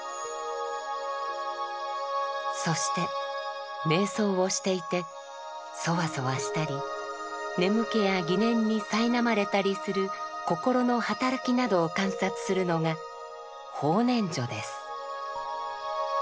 そして瞑想をしていてそわそわしたり眠気や疑念にさいなまれたりする心の働きなどを観察するのが「法念処」です。